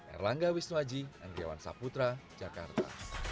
erlangga wisnuaji andriawan saputra jakarta